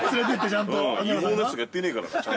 違法なやつとかやってねえから。